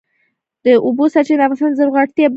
د اوبو سرچینې د افغانستان د زرغونتیا نښه ده.